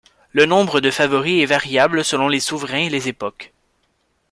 Le nombre de favoris est variable selon les souverains et les époques.